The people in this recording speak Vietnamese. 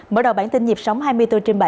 mở đầu bản tin nhịp sống hai mươi bốn trên bảy